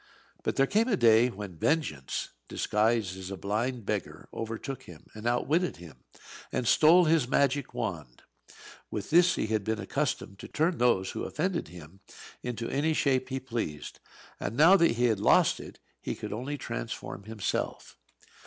But there came a day when Vengeance, disguised as a blind beggar, overtook him, and outwitted him, and stole his magic wand. With this he had been accustomed to turn those who offended him into any shape he pleased; and now that he had lost it he could only transform himself.